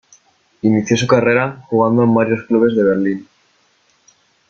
Inició su carrera jugando en varios clubes de Berlín.